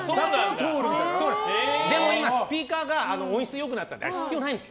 でも今、スピーカーの音質が良くなったので必要ないんですよ。